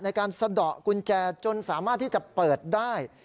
สะดอกกุญแจจนสามารถที่จะเปิดได้